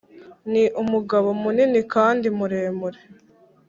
ni umugabo munini kandi muremure